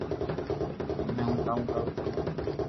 ھمي ھون ڪاو ڪرو تمو رو